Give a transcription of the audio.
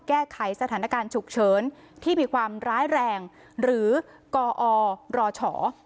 แก้ไขสถานการณ์ฉุกเฉินที่มีความร้ายแรงหรือกอรช